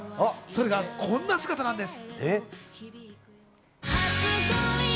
それはこんな姿なんです。